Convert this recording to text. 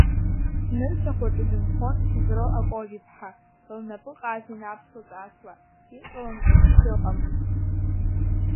Нырцә ахәаҿы дынхон Ҭебро Акобиԥҳа, лнапы ҟазан аԥсуа ҵасла, иҟалымҵоз хәшәы ыҟамызт.